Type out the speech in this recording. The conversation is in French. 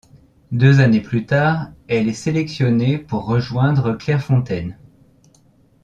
Deux années plus tard, elle est sélectionnée pour rejoindre Clairefontaine.